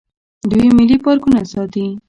دوی ملي پارکونه ساتي.